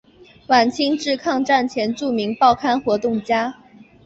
晚清至抗战前著名报刊活动家。